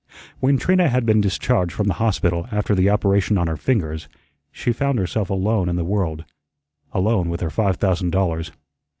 When Trina had been discharged from the hospital after the operation on her fingers, she found herself alone in the world, alone with her five thousand dollars.